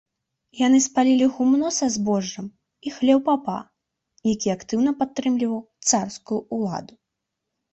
Яны спалілі гумно са збожжам і хлеў папа, які актыўна падтрымліваў царскую ўладу.